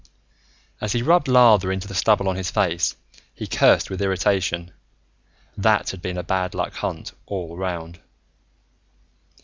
As he rubbed lather into the stubble on his face, he cursed with irritation. That had been a bad luck hunt, all around.